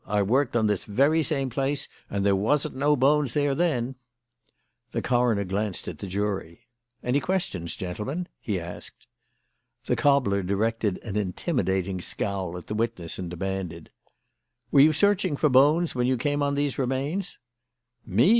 I worked on this very same place and there wasn't no bones there then." The coroner glanced at the jury. "Any questions, gentlemen?" he asked. The cobbler directed an intimidating scowl at the witness and demanded: "Were you searching for bones when you came on these remains?" "Me!"